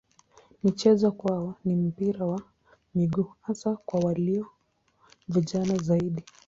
Michezo kwao ni mpira wa miguu hasa kwa walio vijana zaidi.